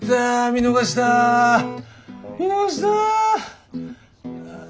見逃した。